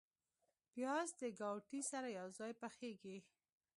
پیاز د ګاوتې سره یو ځای پخیږي